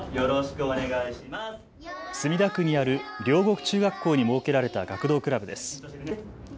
墨田区にある両国中学校に設けられた学童クラブです。